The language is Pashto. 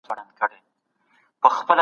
موږ باید د رفاه لپاره ګډ کار وکړو.